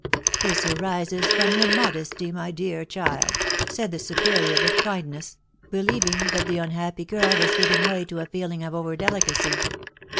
"This arises from your modesty, my dear child," said the superior, with kindness, believing that the unhappy girl was giving way to a feeling of overdelicacy.